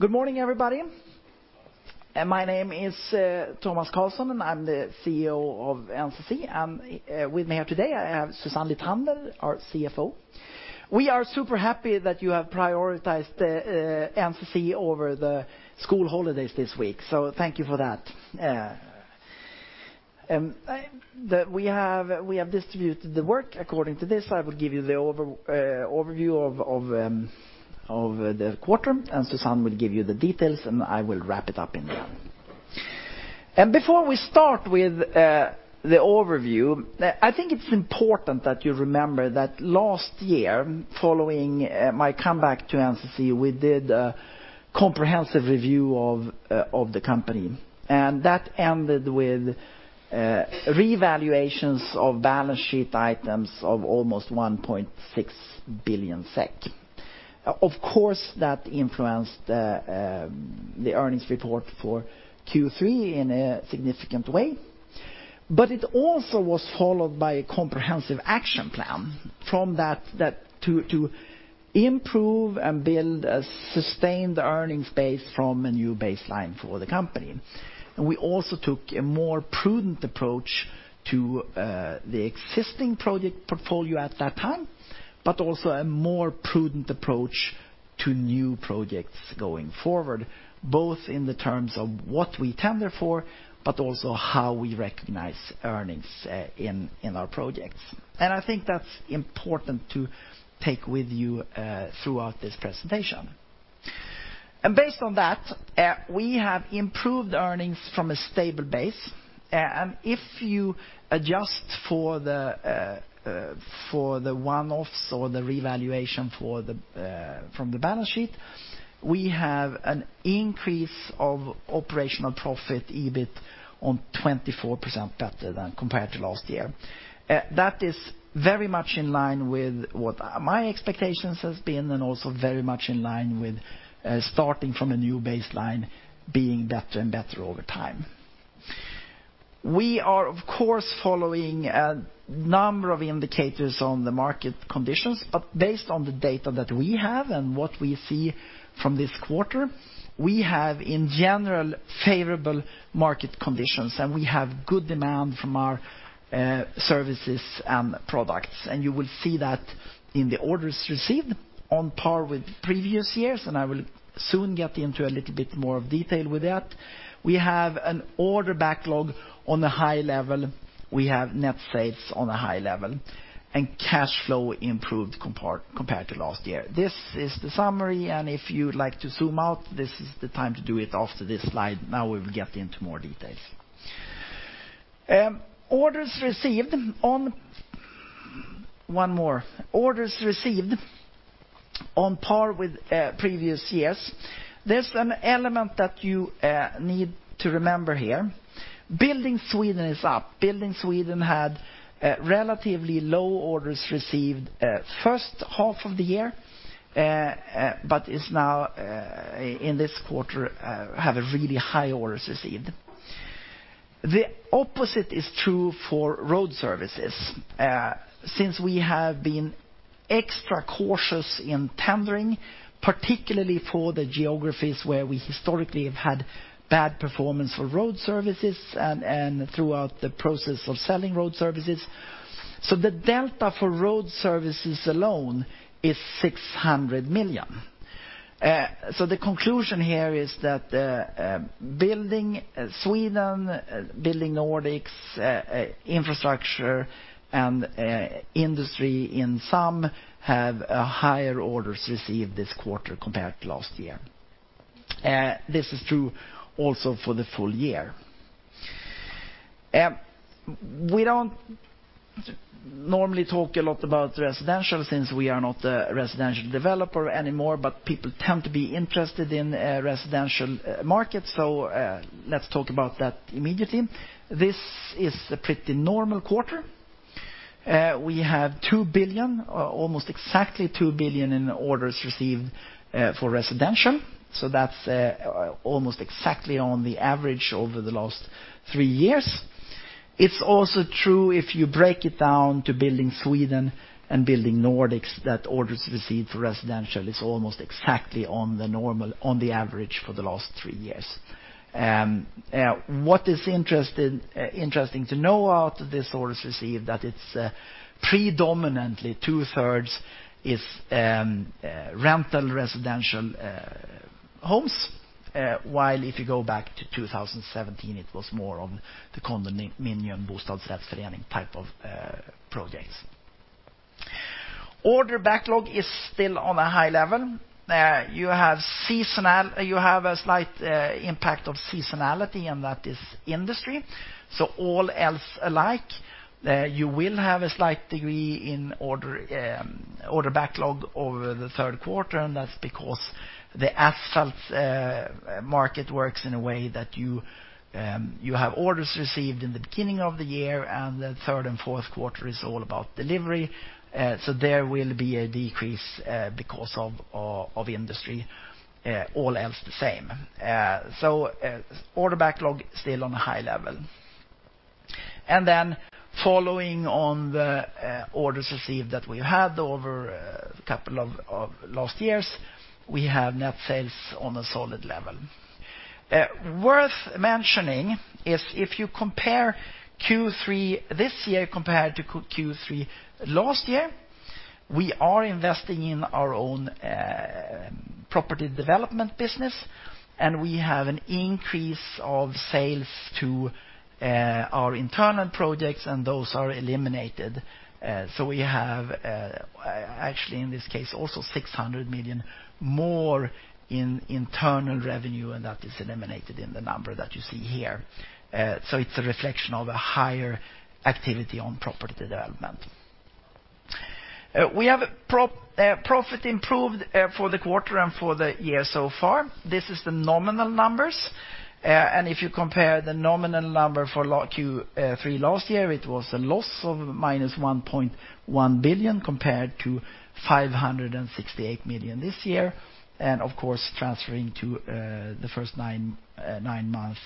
Good morning, everybody. My name is Tomas Carlsson, and I'm the CEO of NCC. With me here today, I have Susanne Lithander, our CFO. We are super happy that you have prioritized NCC over the school holidays this week, so thank you for that. We have distributed the work according to this. I will give you the overview of the quarter, and Susanne will give you the details, and I will wrap it up in the end. Before we start with the overview, I think it's important that you remember that last year, following my comeback to NCC, we did a comprehensive review of the company, and that ended with revaluations of balance sheet items of almost 1.6 billion SEK. Of course, that influenced the earnings report for Q3 in a significant way, but it also was followed by a comprehensive action plan from that to improve and build a sustained earnings base from a new baseline for the company. And we also took a more prudent approach to the existing project portfolio at that time, but also a more prudent approach to new projects going forward, both in terms of what we tender for, but also how we recognize earnings in our projects. And I think that's important to take with you throughout this presentation. Based on that, we have improved earnings from a stable base, and if you adjust for the one-offs or the revaluation from the balance sheet, we have an increase of operational profit, EBIT, on 24% better than compared to last year. That is very much in line with what my expectations has been and also very much in line with starting from a new baseline being better and better over time. We are, of course, following a number of indicators on the market conditions, but based on the data that we have and what we see from this quarter, we have, in general, favorable market conditions, and we have good demand from our services and products. And you will see that in the orders received on par with previous years, and I will soon get into a little bit more of detail with that. We have an order backlog on a high level. We have net sales on a high level, and cash flow improved compared to last year. This is the summary, and if you'd like to zoom out, this is the time to do it after this slide. Now we will get into more details. Orders received on par with previous years. There's an element that you need to remember here. Building Sweden is up. Building Sweden had relatively low orders received first half of the year but is now in this quarter have a really high orders received. The opposite is true for Road Services, since we have been extra cautious in tendering, particularly for the geographies where we historically have had bad performance for Road Services and, and throughout the process of selling Road Services. So the delta for Road Services alone is 600 million. So the conclusion here is that, building Sweden, building Nordics, infrastructure, and, industry in sum have a higher orders received this quarter compared to last year. This is true also for the full year. We don't normally talk a lot about residential, since we are not a residential developer anymore, but people tend to be interested in residential markets, so, let's talk about that immediately. This is a pretty normal quarter. We have 2 billion, almost exactly 2 billion in orders received for residential, so that's almost exactly on the average over the last three years. It's also true, if you break it down to Building Sweden and Building Nordics, that orders received for residential is almost exactly on the normal, on the average for the last three years. What is interesting, interesting to know about this orders received, that it's predominantly 2/3 is rental residential homes, while if you go back to 2017, it was more of the condominium, bostadsrättsförening type of projects. Order backlog is still on a high level. You have seasonal- you have a slight impact of seasonality, and that is industry. So all else alike, you will have a slight degree in order, order backlog over the third quarter, and that's because the asphalt market works in a way that you, you have orders received in the beginning of the year, and the third and fourth quarter is all about delivery. So there will be a decrease, because of, of industry, all else the same. So, order backlog still on a high level. And then following on the, orders received that we had over a couple of, of last years, we have net sales on a solid level. Worth mentioning is if you compare Q3 this year compared to Q3 last year, we are investing in our own, property development business, and we have an increase of sales to, our internal projects, and those are eliminated. So we have, actually, in this case, also 600 million more in internal revenue, and that is eliminated in the number that you see here. So it's a reflection of a higher activity on property development. We have profit improved, for the quarter and for the year so far. This is the nominal numbers, and if you compare the nominal number for Q3 last year, it was a loss of -1.1 billion, compared to 568 million this year, and of course, transferring to the first nine months,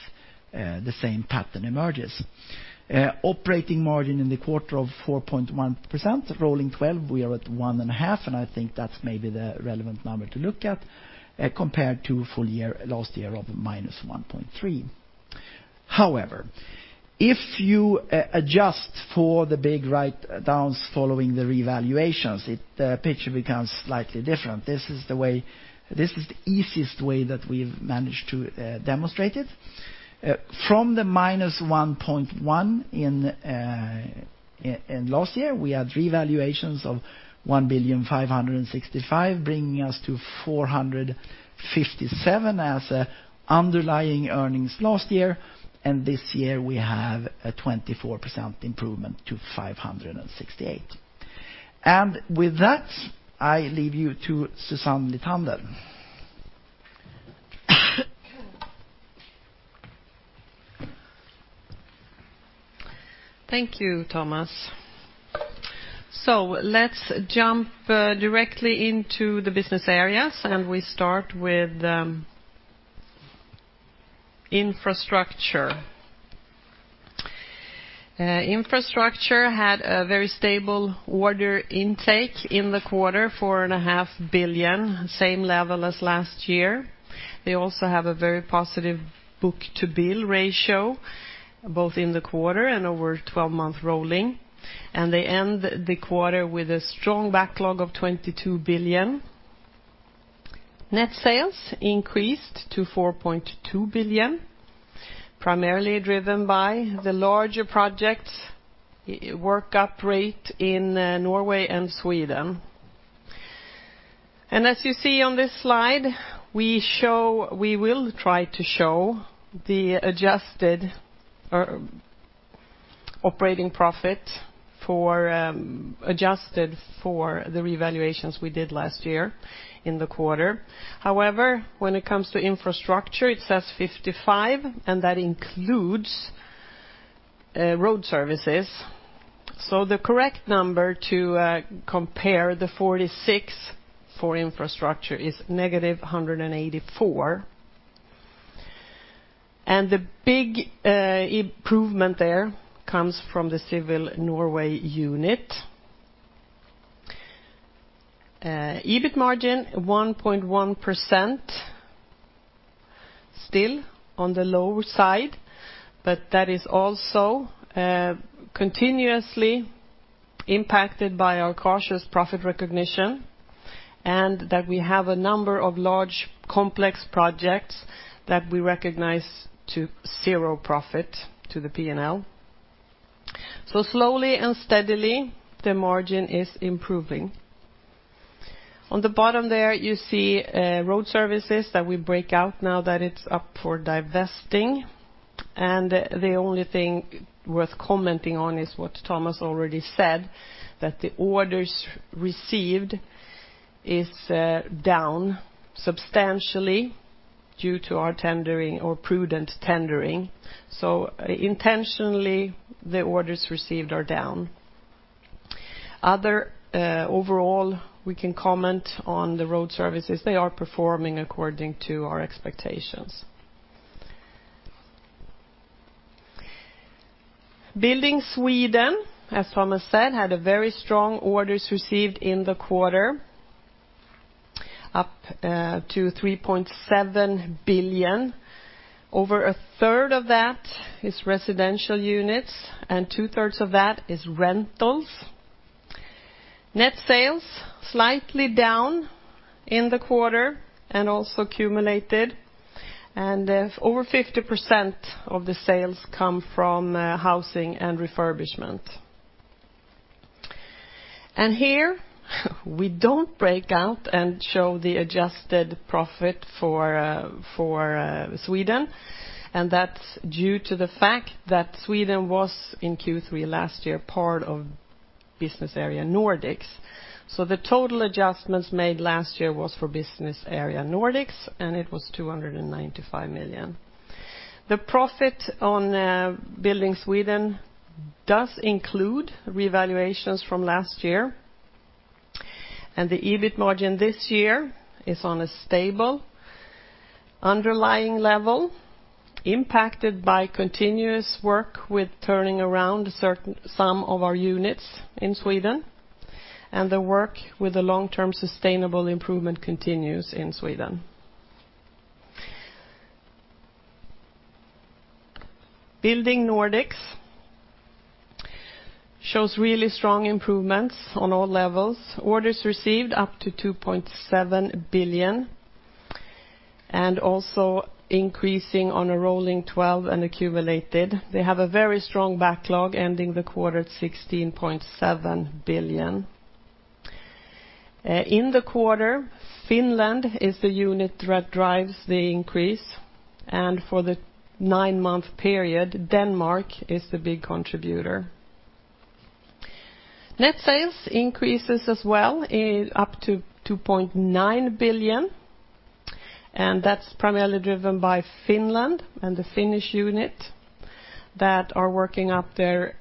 the same pattern emerges. Operating margin in the quarter of 4.1%, rolling twelve, we are at 1.5%, and I think that's maybe the relevant number to look at, compared to full year last year of -1.3%. However, if you adjust for the big write downs following the revaluations, the picture becomes slightly different. This is the easiest way that we've managed to demonstrate it. From the -1.1 billion in last year, we had revaluations of 1.565 billion, bringing us to 457 million as underlying earnings last year, and this year, we have a 24% improvement to 568 million. And with that, I leave you to Susanne Lithander. Thank you, Tomas. Let's jump directly into the business areas, and we start with infrastructure. Infrastructure had a very stable order intake in the quarter, 4.5 billion, same level as last year. They also have a very positive book-to-bill ratio, both in the quarter and over twelve-month rolling, and they end the quarter with a strong backlog of 22 billion. Net sales increased to 4.2 billion, primarily driven by the larger projects, work-up rate in Norway and Sweden. As you see on this slide, we show—we will try to show the adjusted operating profit for, adjusted for the revaluations we did last year in the quarter. However, when it comes to infrastructure, it says 55, and that includes Road Services. The correct number to compare the 46 for infrastructure is negative 184. And the big, improvement there comes from the Civil Norway unit. EBIT margin, 1.1%, still on the lower side, but that is also, continuously impacted by our cautious profit recognition, and that we have a number of large, complex projects that we recognize to zero profit to the P&L. So slowly and steadily, the margin is improving. On the bottom there, you see, Road Services that we break out now that it's up for divesting, and the only thing worth commenting on is what Tomas already said, that the orders received is, down substantially due to our tendering or prudent tendering. So intentionally, the orders received are down. Other, overall, we can comment on the Road Services. They are performing according to our expectations. Building Sweden, as Tomas said, had a very strong orders received in the quarter, up to 3.7 billion. Over a third of that is residential units, and two-thirds of that is rentals. Net sales, slightly down in the quarter and also cumulated, and over 50% of the sales come from housing and refurbishment. And here, we don't break out and show the adjusted profit for Sweden, and that's due to the fact that Sweden was, in Q3 last year, part of business area Nordics. So the total adjustments made last year was for business area Nordics, and it was 295 million. The profit on Building Sweden does include revaluations from last year. The EBIT margin this year is on a stable, underlying level, impacted by continuous work with turning around certain, some of our units in Sweden, and the work with the long-term sustainable improvement continues in Sweden. Building Nordics shows really strong improvements on all levels. Orders received up to 2.7 billion, and also increasing on a rolling 12 and accumulated. They have a very strong backlog, ending the quarter at 16.7 billion. In the quarter, Finland is the unit that drives the increase, and for the nine-month period, Denmark is the big contributor. Net sales increases as well, up to 2.9 billion, and that's primarily driven by Finland and the Finnish unit that are working up their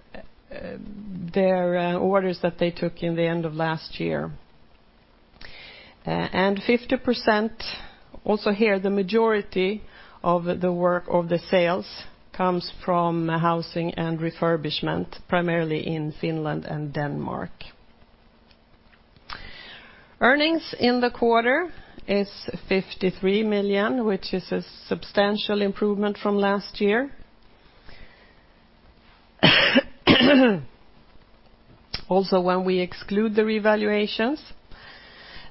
orders that they took in the end of last year. And 50%, also here, the majority of the work, of the sales comes from housing and refurbishment, primarily in Finland and Denmark. Earnings in the quarter is 53 million, which is a substantial improvement from last year. Also, when we exclude the revaluations,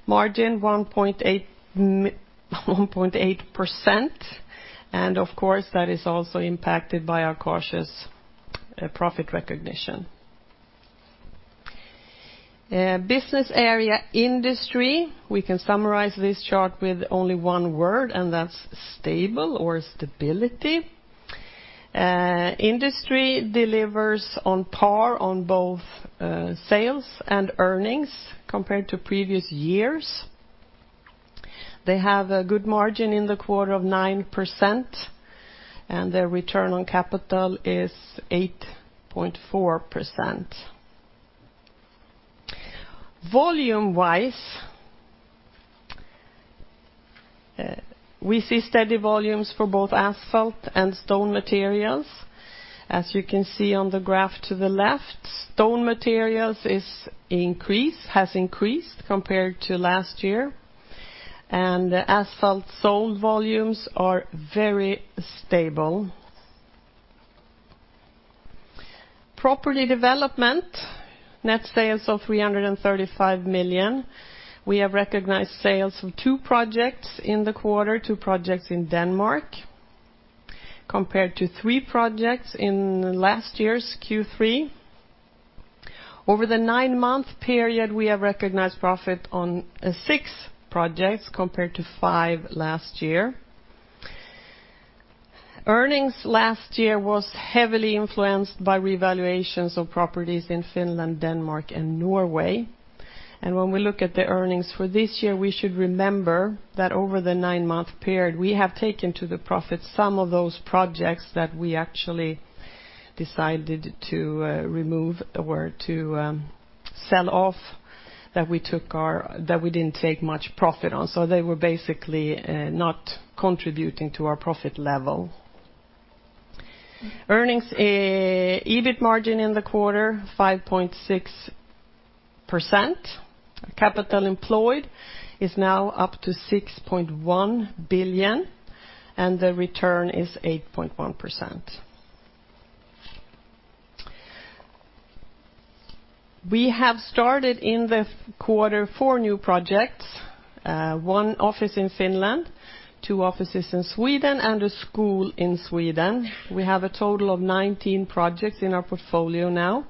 margin 1.8%, and of course, that is also impacted by our cautious, profit recognition. Business area industry, we can summarize this chart with only one word, and that's stable or stability. Industry delivers on par on both, sales and earnings compared to previous years. They have a good margin in the quarter of 9%, and their return on capital is 8.4%. Volume-wise, we see steady volumes for both asphalt and stone materials. As you can see on the graph to the left, stone materials is increased, has increased compared to last year, and the asphalt sold volumes are very stable. Property development, net sales of 335 million. We have recognized sales from two projects in the quarter, two projects in Denmark, compared to three projects in last year's Q3. Over the nine-month period, we have recognized profit on six projects, compared to five last year. Earnings last year was heavily influenced by revaluations of properties in Finland, Denmark, and Norway. When we look at the earnings for this year, we should remember that over the nine-month period, we have taken to the profit some of those projects that we actually decided to remove or to sell off, that we didn't take much profit on. They were basically not contributing to our profit level. Earnings EBIT margin in the quarter, 5.6%. Capital employed is now up to 6.1 billion, and the return is 8.1%. We have started in the quarter 4 new projects, 1 office in Finland, 2 offices in Sweden, and a school in Sweden. We have a total of 19 projects in our portfolio now.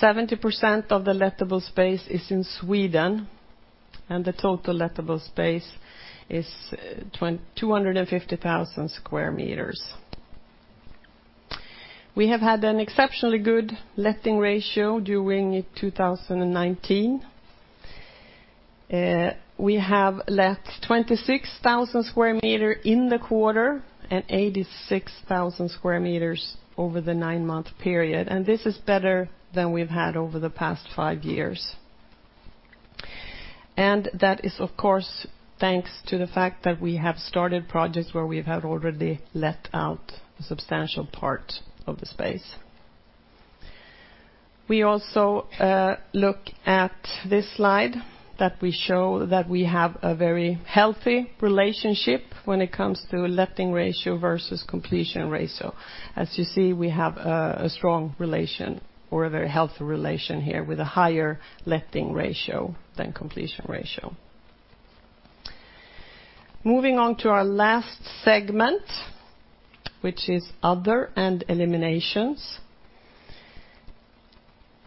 70% of the lettable space is in Sweden, and the total lettable space is 250,000 square meters. We have had an exceptionally good letting ratio during 2019. We have let 26,000 square meters in the quarter and 86,000 square meters over the nine-month period, and this is better than we've had over the past 5 years. And that is, of course, thanks to the fact that we have started projects where we have had already let out a substantial part of the space. We also look at this slide, that we show that we have a very healthy relationship when it comes to letting ratio versus completion ratio. As you see, we have a, a strong relation or a very healthy relation here with a higher letting ratio than completion ratio. Moving on to our last segment, which is other and eliminations.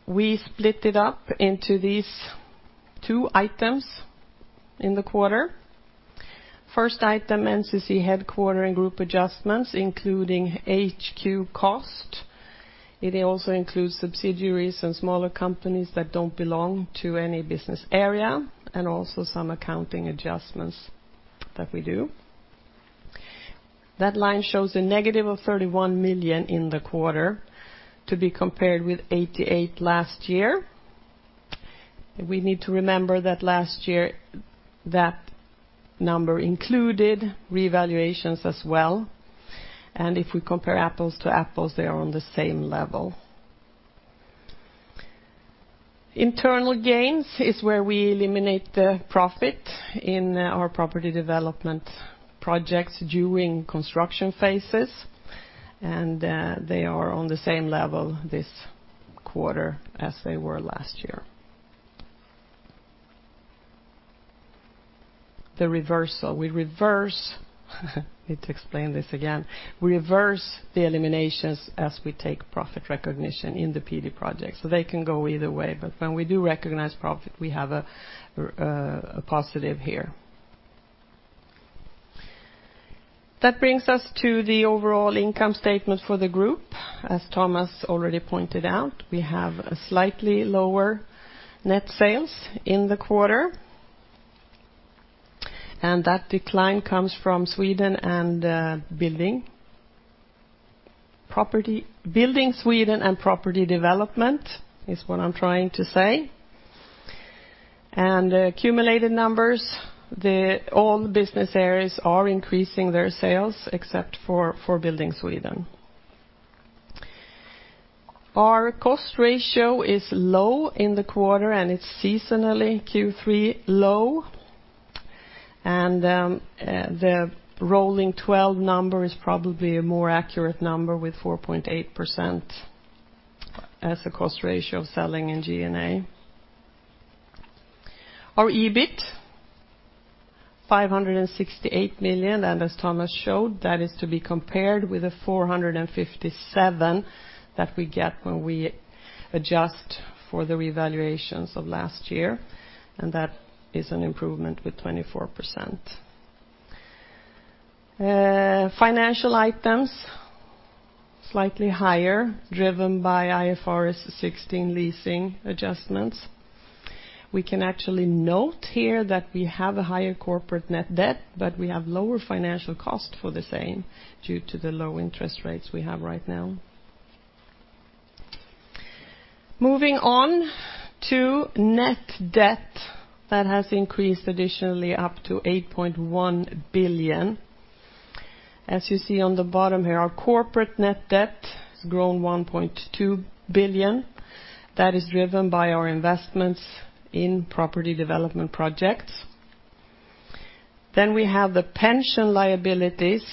We split it up into these two items in the quarter. First item, NCC headquarters and group adjustments, including HQ cost. It also includes subsidiaries and smaller companies that don't belong to any business area, and also some accounting adjustments that we do. That line shows a negative of 31 million in the quarter, to be compared with 88 million last year. We need to remember that last year, that number included revaluations as well, and if we compare apples to apples, they are on the same level. Internal gains is where we eliminate the profit in our property development projects during construction phases, and they are on the same level this quarter as they were last year. The reversal, we reverse, need to explain this again, reverse the eliminations as we take profit recognition in the PD projects, so they can go either way. But when we do recognize profit, we have a positive here. That brings us to the overall income statement for the group. As Tomas already pointed out, we have a slightly lower net sales in the quarter, and that decline comes from Sweden and building. Property, building Sweden and property development is what I'm trying to say. Accumulated numbers, all the business areas are increasing their sales except for building Sweden. Our cost ratio is low in the quarter, and it's seasonally Q3 low. The rolling twelve number is probably a more accurate number, with 4.8% as a cost ratio of selling in G&A. Our EBIT, 568 million, and as Tomas showed, that is to be compared with the 457 million that we get when we adjust for the revaluations of last year, and that is an improvement with 24%. Financial items, slightly higher, driven by IFRS 16 leasing adjustments. We can actually note here that we have a higher corporate net debt, but we have lower financial cost for the same due to the low interest rates we have right now. Moving on to net debt, that has increased additionally up to 8.1 billion. As you see on the bottom here, our corporate net debt has grown 1.2 billion. That is driven by our investments in property development projects. Then we have the pension liabilities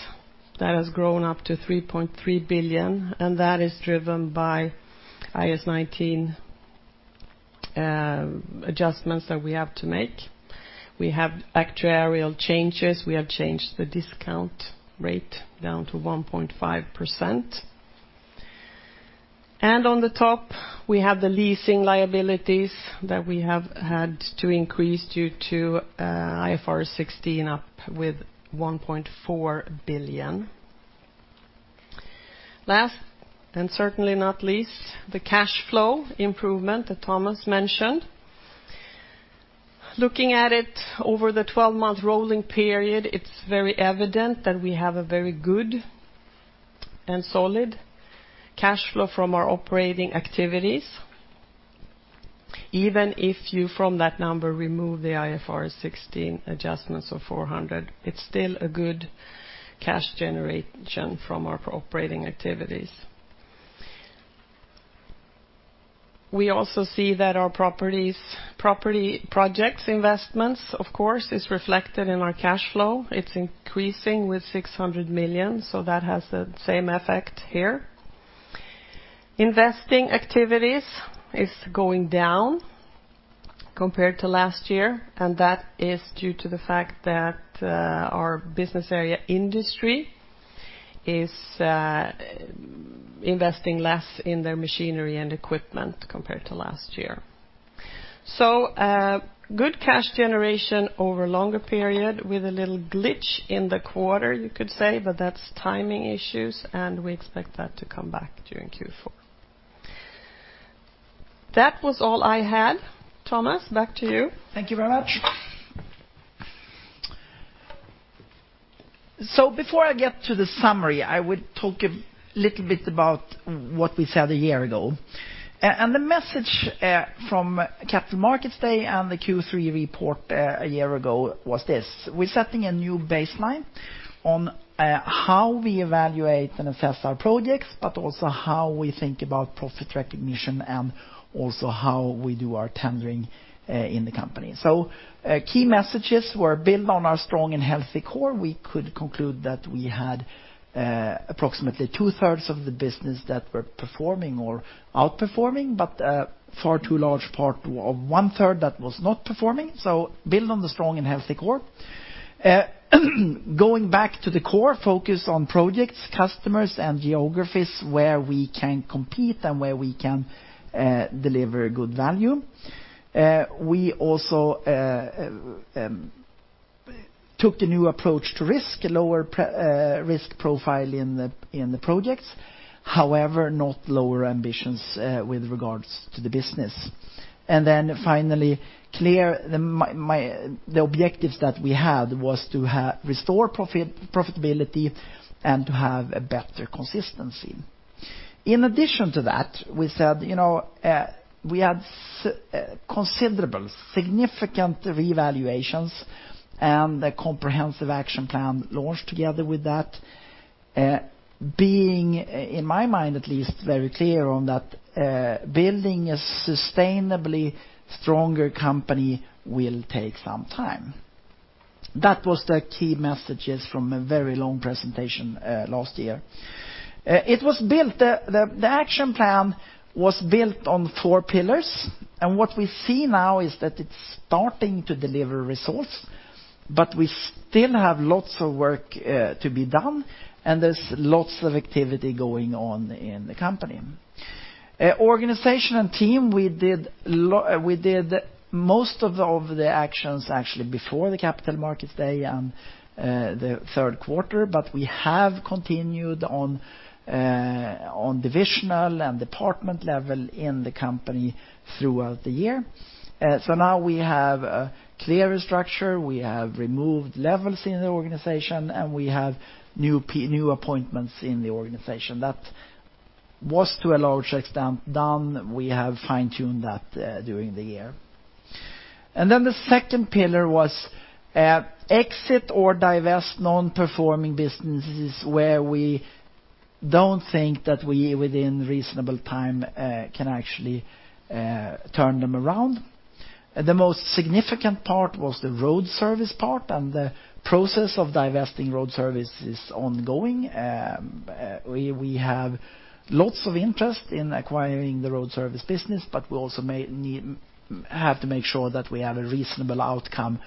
that has grown up to 3.3 billion, and that is driven by IAS 19 adjustments that we have to make. We have actuarial changes. We have changed the discount rate down to 1.5%. And on the top, we have the leasing liabilities that we have had to increase due to IFRS 16, up with 1.4 billion. Last, and certainly not least, the cash flow improvement that Tomas mentioned. Looking at it over the 12-month rolling period, it's very evident that we have a very good and solid cash flow from our operating activities. Even if you, from that number, remove the IFRS 16 adjustments of 400 million, it's still a good cash generation from our operating activities. We also see that our properties, property projects, investments, of course, is reflected in our cash flow. It's increasing with 600 million, so that has the same effect here. Investing activities is going down compared to last year, and that is due to the fact that, our business area industry is, investing less in their machinery and equipment compared to last year. So, a good cash generation over a longer period with a little glitch in the quarter, you could say, but that's timing issues, and we expect that to come back during Q4. That was all I had. Tomas, back to you. Thank you very much. So before I get to the summary, I would talk a little bit about what we said a year ago. The message from Capital Markets Day and the Q3 report a year ago was this: We're setting a new baseline on how we evaluate and assess our projects, but also how we think about profit recognition and also how we do our tendering in the company. So key messages were build on our strong and healthy core. We could conclude that we had approximately two-thirds of the business that were performing or outperforming, but far too large part, or one-third that was not performing, so build on the strong and healthy core. Going back to the core, focus on projects, customers, and geographies where we can compete and where we can deliver good value. We also took the new approach to risk, a lower risk profile in the projects. However, not lower ambitions with regards to the business. Then finally, clearly, the objectives that we had was to restore profitability, and to have a better consistency. In addition to that, we said, you know, we had significant reevaluations, and a comprehensive action plan launched together with that. Being in my mind at least, very clear on that, building a sustainably stronger company will take some time. That was the key messages from a very long presentation last year. It was built, the action plan was built on four pillars, and what we see now is that it's starting to deliver results, but we still have lots of work to be done, and there's lots of activity going on in the company. Organization and team, we did most of the actions actually before the Capital Markets Day and the third quarter, but we have continued on divisional and department level in the company throughout the year. So now we have a clear structure, we have removed levels in the organization, and we have new appointments in the organization. That was, to a large extent, done. We have fine-tuned that during the year. And then the second pillar was exit or divest non-performing businesses where we don't think that we, within reasonable time, can actually turn them around. The most significant part was the road service part, and the process of divesting road service is ongoing. We have lots of interest in acquiring the road service business, but we also may need have to make sure that we have a reasonable outcome,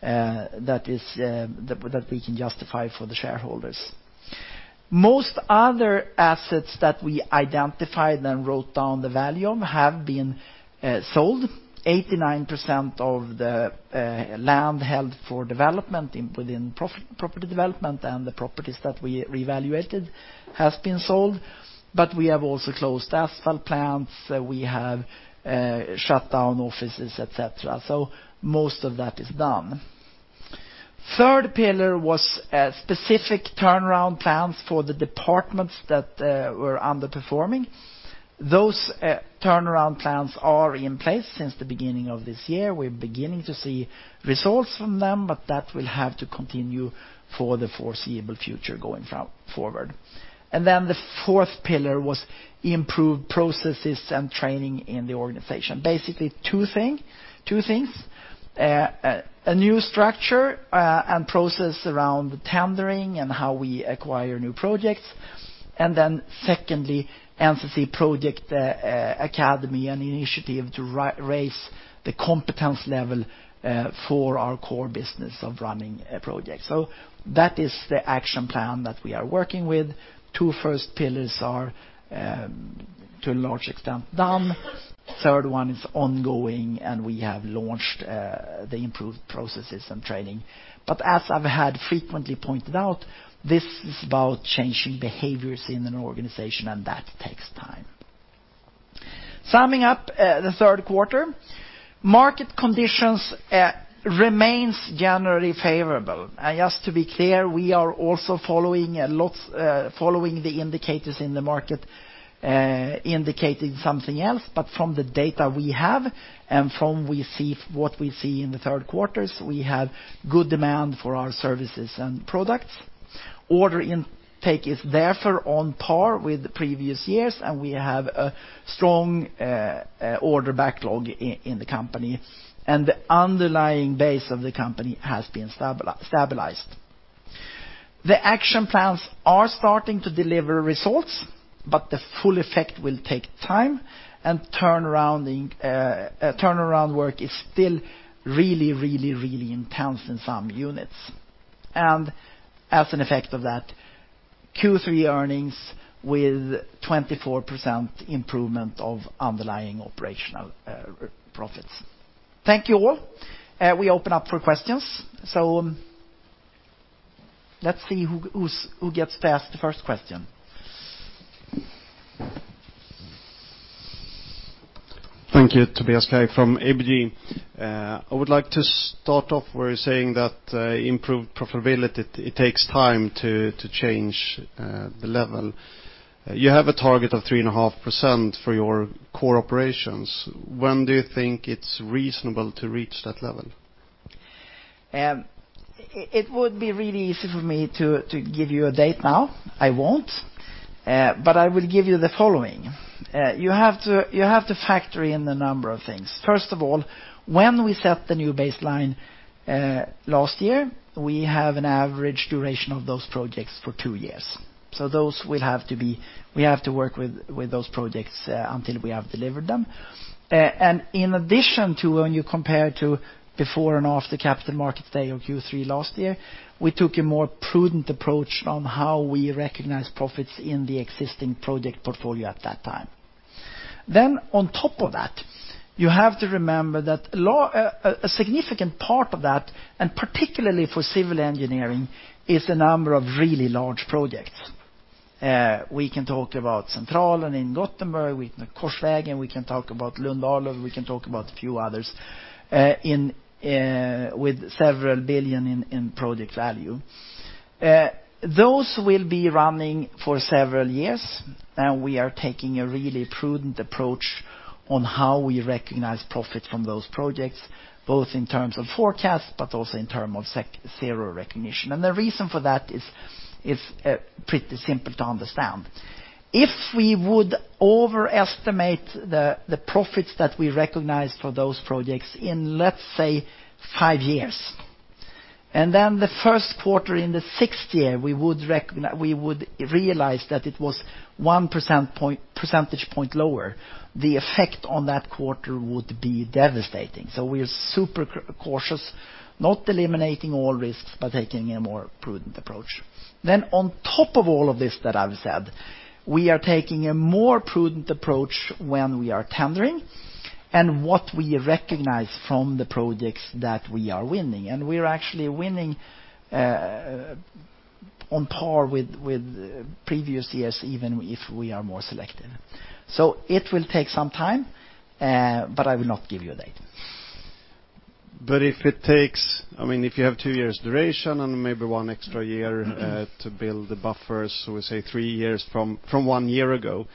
that is, that we can justify for the shareholders. Most other assets that we identified and wrote down the value of have been sold. 89% of the land held for development within property development and the properties that we reevaluated has been sold, but we have also closed asphalt plants, we have shut down offices, et cetera. So most of that is done. Third pillar was specific turnaround plans for the departments that were underperforming. Those turnaround plans are in place since the beginning of this year. We're beginning to see results from them, but that will have to continue for the foreseeable future going forward. And then the fourth pillar was improved processes and training in the organization. Basically, two thing, two things: a new structure and process around tendering and how we acquire new projects, and then secondly, NCC Project Academy, an initiative to raise the competence level for our core business of running a project. So that is the action plan that we are working with. Two first pillars are, to a large extent, done. Third one is ongoing, and we have launched the improved processes and training. As I've had frequently pointed out, this is about changing behaviors in an organization, and that takes time. Summing up, the third quarter, market conditions remain generally favorable. Just to be clear, we are also following a lot, following the indicators in the market, indicating something else, but from the data we have, and from what we see in the third quarter, we have good demand for our services and products. Order intake is therefore on par with previous years, and we have a strong order backlog in the company, and the underlying base of the company has been stabilized. The action plans are starting to deliver results, but the full effect will take time, and turnaround work is still really, really, really intense in some units. And as an effect of that, Q3 earnings with 24% improvement of underlying operational profits. Thank you, all. We open up for questions. So let's see who gets to ask the first question. Thank you. Tobias Kaj from ABG. I would like to start off where you're saying that, improved profitability, it takes time to, to change, the level. You have a target of 3.5% for your core operations. When do you think it's reasonable to reach that level? It would be really easy for me to give you a date now. I won't, but I will give you the following: You have to factor in a number of things. First of all, when we set the new baseline last year, we have an average duration of those projects for two years. So those will have to be. We have to work with those projects until we have delivered them. And in addition to when you compare to before and after Capital Markets Day of Q3 last year, we took a more prudent approach on how we recognize profits in the existing project portfolio at that time. Then on top of that, you have to remember that a significant part of that, and particularly for civil engineering, is a number of really large projects. We can talk about Centralen in Gothenburg, Korsvägen, we can talk about Lund-Arlöv, we can talk about a few others, with several billion SEK in project value. Those will be running for several years, and we are taking a really prudent approach on how we recognize profit from those projects, both in terms of forecast, but also in terms of zero recognition. The reason for that is pretty simple to understand. If we would overestimate the profits that we recognize for those projects in, let's say, five years, and then the first quarter in the sixth year, we would realize that it was 1 percentage point lower, the effect on that quarter would be devastating. So we are super cautious, not eliminating all risks, but taking a more prudent approach. Then on top of all of this that I've said, we are taking a more prudent approach when we are tendering, and what we recognize from the projects that we are winning. And we are actually winning on par with previous years, even if we are more selective. So it will take some time, but I will not give you a date. But if it takes... I mean, if you have two years duration and maybe one extra year- Mm-hmm. To build the buffers, so we say three years from one year ago,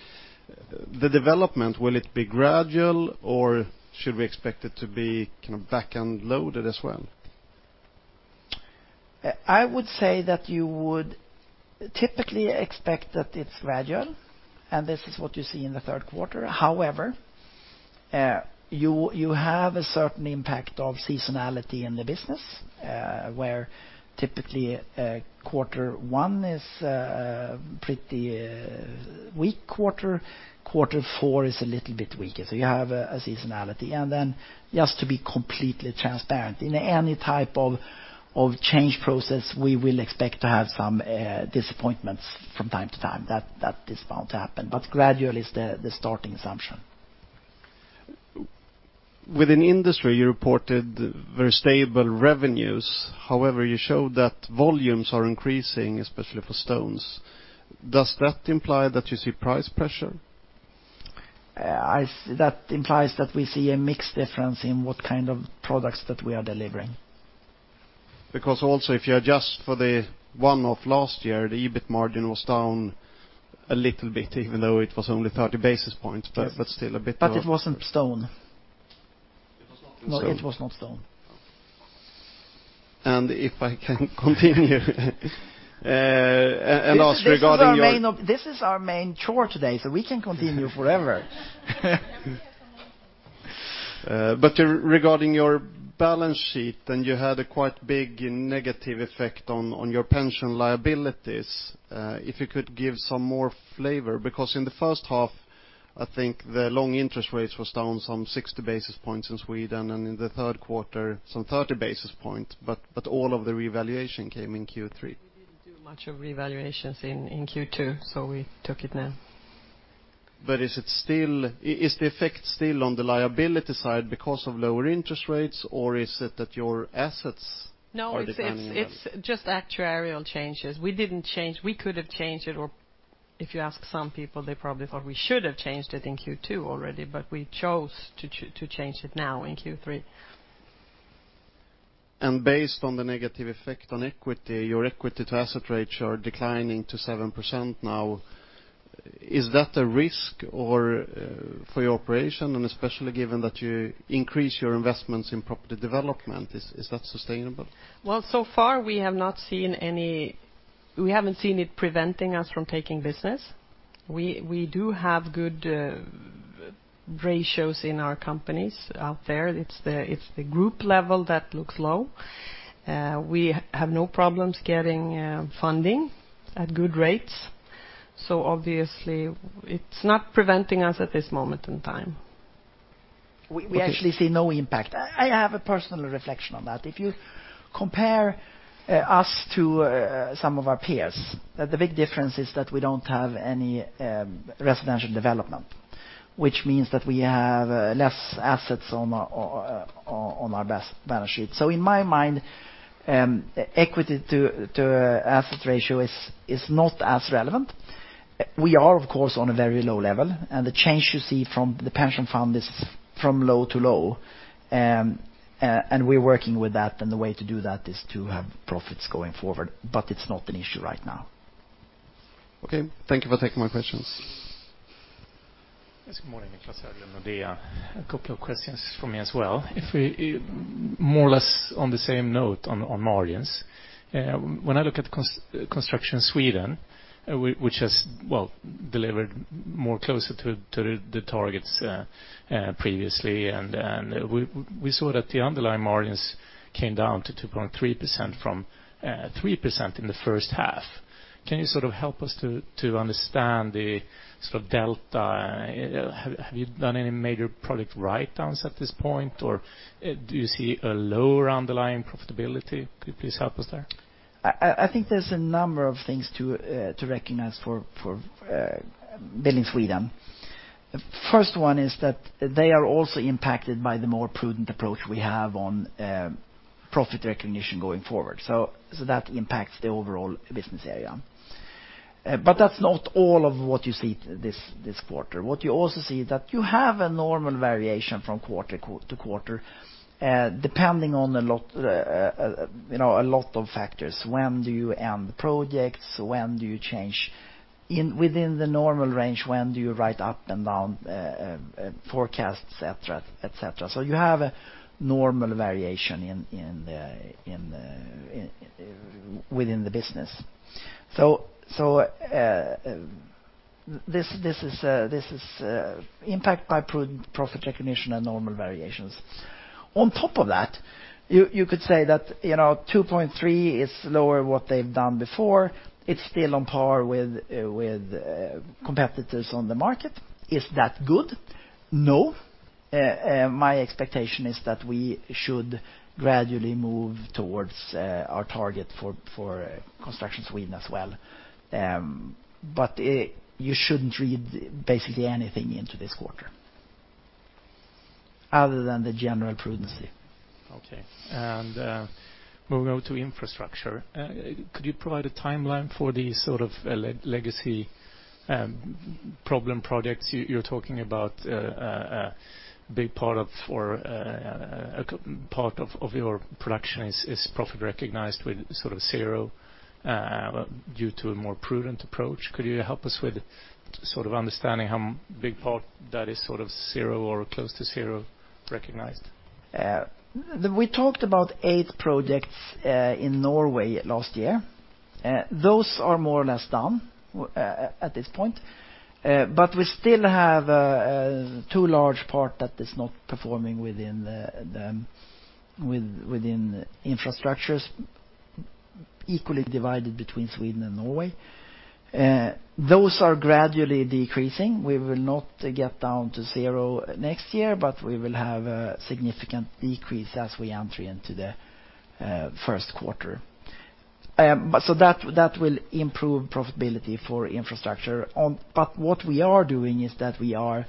the development, will it be gradual, or should we expect it to be kind of back-end loaded as well? I would say that you would typically expect that it's gradual, and this is what you see in the third quarter. However, you have a certain impact of seasonality in the business, where typically, quarter one is pretty weak quarter. Quarter four is a little bit weaker, so you have a seasonality. And then just to be completely transparent, in any type of change process, we will expect to have some disappointments from time to time. That is bound to happen, but gradually is the starting assumption. Within industry, you reported very stable revenues. However, you showed that volumes are increasing, especially for stones. Does that imply that you see price pressure? That implies that we see a mixed difference in what kind of products that we are delivering. Because also, if you adjust for the one-off last year, the EBIT margin was down a little bit, even though it was only 30 basis points- Yes. but still a bit low. But it wasn't stone. It was not stone. No, it was not stone. If I can continue and ask regarding your- This is our main chore today, so we can continue forever. But regarding your balance sheet, and you had a quite big negative effect on your pension liabilities. If you could give some more flavor, because in the first half, I think the long interest rates was down some 60 basis points in Sweden, and in the third quarter, some 30 basis points, but all of the revaluation came in Q3. We didn't do much of revaluations in Q2, so we took it now. Is it still... is the effect still on the liability side because of lower interest rates, or is it that your assets are declining? No, it's just actuarial changes. We didn't change. We could have changed it, or if you ask some people, they probably thought we should have changed it in Q2 already, but we chose to change it now in Q3. Based on the negative effect on equity, your equity to asset rates are declining to 7% now. Is that a risk or for your operation, and especially given that you increase your investments in property development, is that sustainable? Well, so far, we have not seen any, we haven't seen it preventing us from taking business. We do have good ratios in our companies out there. It's the group level that looks low. We have no problems getting funding at good rates, so obviously, it's not preventing us at this moment in time. We actually see no impact. I have a personal reflection on that. If you compare us to some of our peers, the big difference is that we don't have any residential development, which means that we have less assets on our balance sheet. So in my mind, equity to asset ratio is not as relevant. We are, of course, on a very low level, and the change you see from the pension fund is from low to low. And we're working with that, and the way to do that is to have profits going forward, but it's not an issue right now. Okay. Thank you for taking my questions. Yes, good morning, Niclas Höglund with Nordea. A couple of questions from me as well. If we, more or less on the same note on margins, when I look at Construction Sweden, which has delivered more closer to the targets previously, and we saw that the underlying margins came down to 2.3% from 3% in the first half. Can you sort of help us to understand the sort of delta? Have you done any major project writedowns at this point, or do you see a lower underlying profitability? Could you please help us there? I think there's a number of things to recognize for Building Sweden. The first one is that they are also impacted by the more prudent approach we have on profit recognition going forward. So that impacts the overall business area. But that's not all of what you see this quarter. What you also see is that you have a normal variation from quarter to quarter, depending on a lot, you know, a lot of factors. When do you end projects? When do you change within the normal range, when do you write up and down forecasts, et cetera, et cetera? So you have a normal variation within the business. So this is impact by prudent profit recognition and normal variations. On top of that, you could say that, you know, 2.3 is lower what they've done before. It's still on par with competitors on the market. Is that good? No. My expectation is that we should gradually move towards our target for Construction Sweden as well. But you shouldn't read basically anything into this quarter other than the general prudence. Okay. Moving on to infrastructure, could you provide a timeline for the sort of legacy problem projects you're talking about, a big part of or, a part of, of your production is, is profit recognized with sort of zero due to a more prudent approach? Could you help us with sort of understanding how big part that is sort of zero or close to zero recognized? We talked about eight projects in Norway last year. Those are more or less done at this point. We still have two large part that is not performing within the infrastructures, equally divided between Sweden and Norway. Those are gradually decreasing. We will not get down to zero next year, but we will have a significant decrease as we enter into the first quarter. That will improve profitability for infrastructure. What we are doing is that we are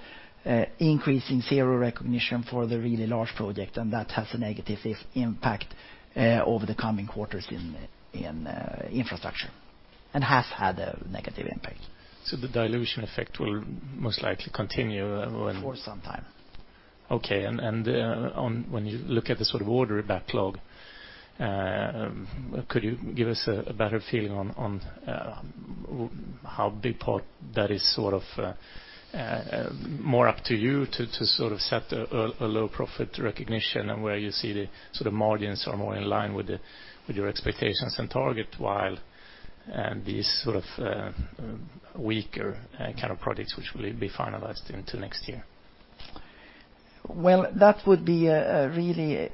increasing zero recognition for the really large project, and that has a negative impact over the coming quarters in infrastructure, and has had a negative impact. So the dilution effect will most likely continue. For some time. Okay. On, when you look at the sort of order backlog, could you give us a better feeling on how big part that is sort of more up to you to sort of set a low profit recognition, and where you see the sort of margins are more in line with your expectations and target, while these sort of weaker kind of projects, which will be finalized into next year? Well, that would be really...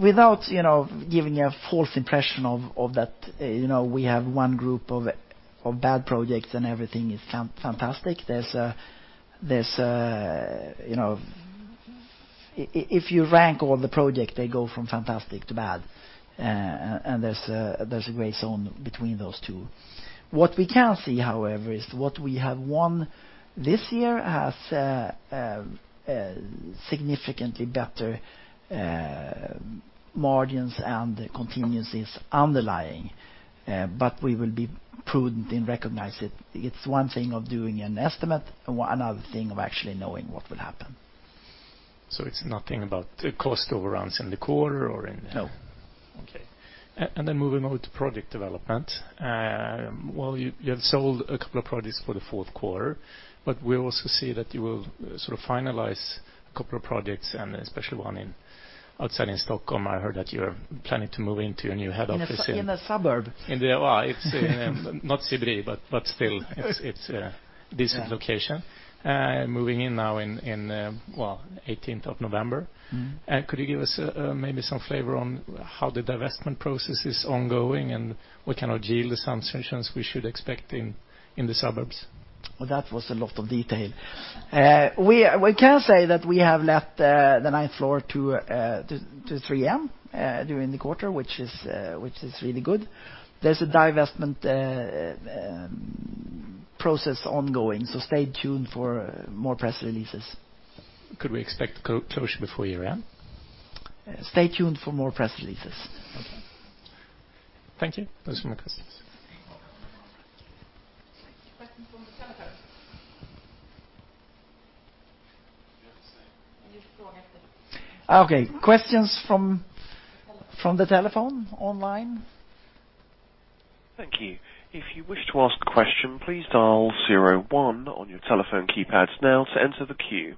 Without, you know, giving a false impression of that, you know, we have one group of bad projects and everything is fantastic. There's a gray zone between those two. What we can see, however, is what we have won this year has significantly better margins and contingencies underlying, but we will be prudent in recognizing it. It's one thing of doing an estimate, and another thing of actually knowing what will happen. So it's nothing about the cost overruns in the core or in- No. Okay. And then moving on to project development. Well, you have sold a couple of projects for the fourth quarter, but we also see that you will sort of finalize a couple of projects, and especially one in, outside in Stockholm. I heard that you're planning to move into a new head office in- In a suburb. In the, it's not CBD, but still, it's a decent location. Yeah. Moving in now in, well, eighteenth of November. Mm-hmm. Could you give us, maybe some flavor on how the divestment process is ongoing, and what kind of yield assumptions we should expect in the suburbs? Well, that was a lot of detail. We can say that we have left the ninth floor to 3M during the quarter, which is really good. There's a divestment process ongoing, so stay tuned for more press releases. Could we expect closure before year-end? Stay tuned for more press releases. Okay. Thank you. Those are my questions. Questions from the telephone? Okay, questions from the telephone, online? Thank you. If you wish to ask a question, please dial zero one on your telephone keypads now to enter the queue.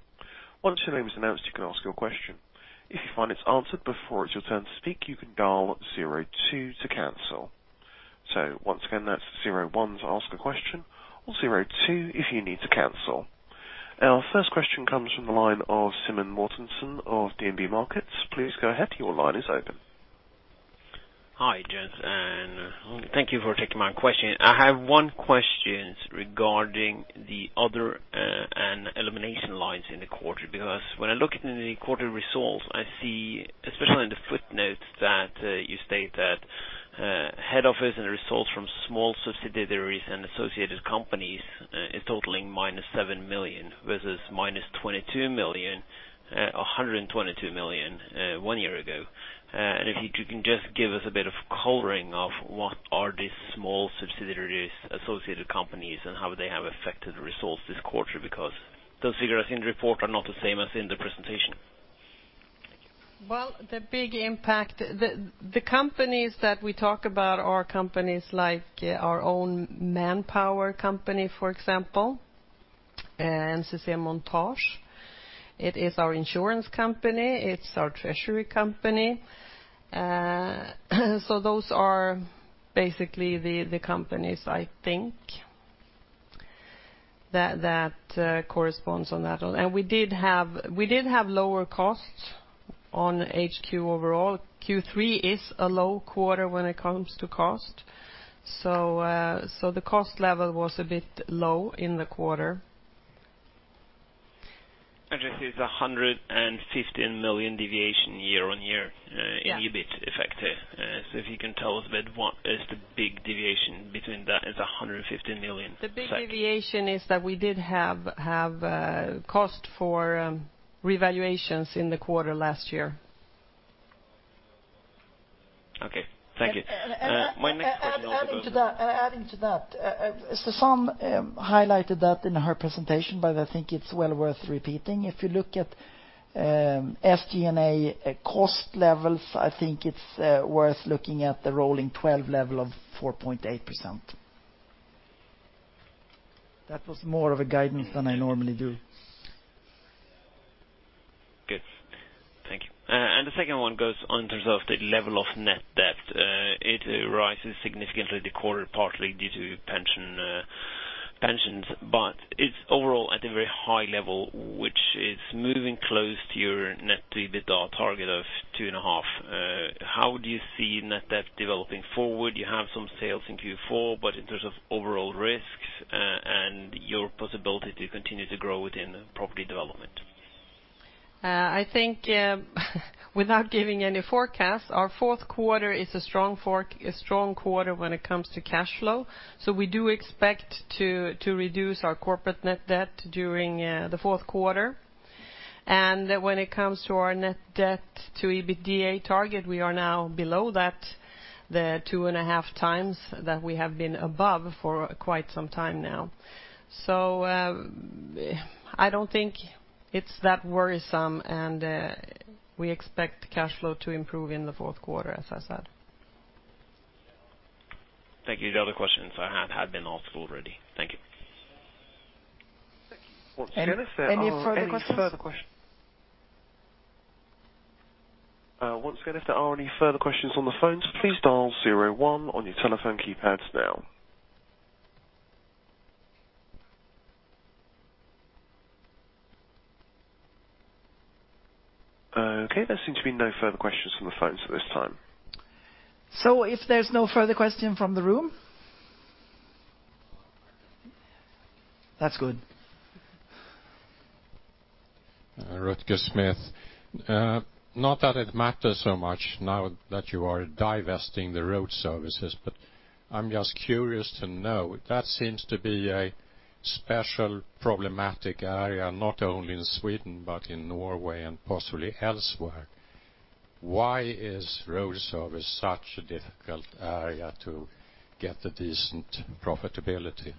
Once your name is announced, you can ask your question. If you find it's answered before it's your turn to speak, you can dial zero two to cancel. So once again, that's zero one to ask a question or zero two if you need to cancel. Our first question comes from the line of Simen Mortensen of DNB Markets. Please go ahead. Your line is open. Hi, gents, and thank you for taking my question. I have one question regarding the other and elimination lines in the quarter, because when I look at the quarterly results, I see, especially in the footnotes, that you state that head office and the results from small subsidiaries and associated companies is totaling -7 million versus -22 million, 122 million one year ago. And if you can just give us a bit of coloring of what are these small subsidiaries, associated companies, and how they have affected the results this quarter, because those figures in the report are not the same as in the presentation. Well, the big impact, the companies that we talk about are companies like our own manpower company, for example, and NCC Montage. It is our insurance company, it's our treasury company. So those are basically the companies I think that corresponds on that. And we did have lower costs on HQ overall. Q3 is a low quarter when it comes to cost, so the cost level was a bit low in the quarter. This is 115 million deviation year-over-year. Yeah in EBIT effective. So if you can tell us a bit, what is the big deviation between that as 115 million? The big deviation is that we did have cost for revaluations in the quarter last year. Okay, thank you. And, and, and- My next question also goes- Adding to that, Susanne highlighted that in her presentation, but I think it's well worth repeating. If you look at SG&A cost levels, I think it's worth looking at the rolling twelve level of 4.8%. That was more of a guidance than I normally do. Good. Thank you. And the second one goes on in terms of the level of net debt. It rises significantly the quarter, partly due to pension, pensions, but it's overall at a very high level, which is moving close to your net debt to EBITDA target of 2.5. How do you see net debt developing forward? You have some sales in Q4, but in terms of overall risks, and your possibility to continue to grow within property development. I think, without giving any forecast, our fourth quarter is a strong quarter when it comes to cash flow. So we do expect to, to reduce our corporate net debt during the fourth quarter. And when it comes to our net debt to EBITDA target, we are now below that, the 2.5 times that we have been above for quite some time now. So, I don't think it's that worrisome, and we expect cash flow to improve in the fourth quarter, as I said. Thank you. The other questions I had, had been asked already. Thank you. Any further questions? Once again, if there are any further questions on the phone, please dial zero one on your telephone keypads now. Okay, there seems to be no further questions from the phones at this time. So if there's no further question from the room? That's good. Rutger Smith. Not that it matters so much now that you are divesting the Road Services, but I'm just curious to know, that seems to be a special problematic area, not only in Sweden, but in Norway and possibly elsewhere. Why is road service such a difficult area to get a decent profitability?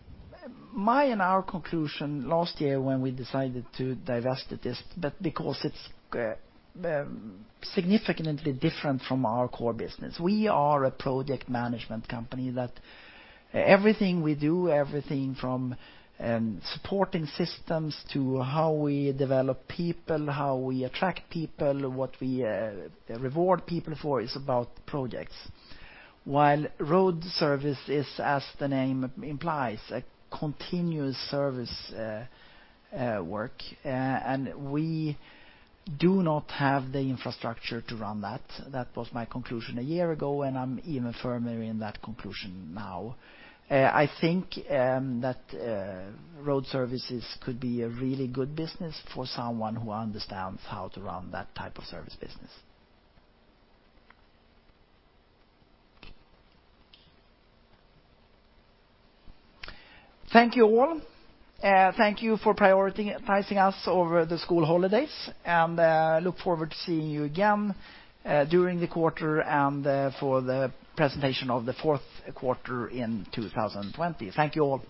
My and our conclusion last year when we decided to divest it is that because it's significantly different from our core business. We are a project management company, that everything we do, everything from supporting systems to how we develop people, how we attract people, what we reward people for, is about projects. While road service is, as the name implies, a continuous service, work, and we do not have the infrastructure to run that. That was my conclusion a year ago, and I'm even firmer in that conclusion now. I think that Road Services could be a really good business for someone who understands how to run that type of service business. Thank you, all. Thank you for prioritizing us over the school holidays, and look forward to seeing you again during the quarter and for the presentation of the fourth quarter in 2020. Thank you all.